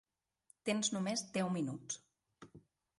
Tens només deu minuts.